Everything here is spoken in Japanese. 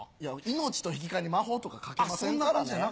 命と引き換えに魔法とかかけませんからね。